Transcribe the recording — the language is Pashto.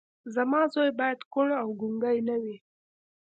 زما زوی بايد کوڼ او ګونګی نه وي.